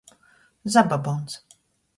Zababons.